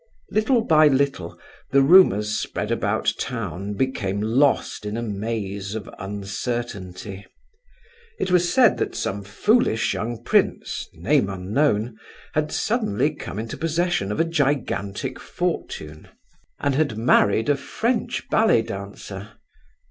Little by little, the rumours spread about town became lost in a maze of uncertainty. It was said that some foolish young prince, name unknown, had suddenly come into possession of a gigantic fortune, and had married a French ballet dancer.